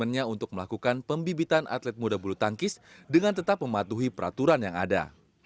tujuannya untuk melakukan pembibitan atlet muda bulu tangkis dengan tetap mematuhi peraturan yang ada